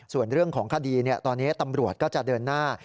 ส่วนเรื่องของคดีตอนนี้ตำรวจก็จะเดินหน้า